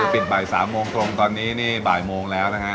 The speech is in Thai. ปิดบ่าย๓โมงตรงตอนนี้นี่บ่ายโมงแล้วนะฮะ